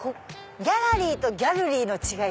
ギャラリーとギャルリーの違い